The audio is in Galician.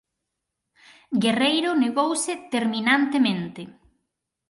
Guerreiro negouse terminantemente.